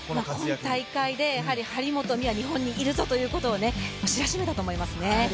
今大会で張本美和は日本にいるぞというのを知らしめたと思いますね。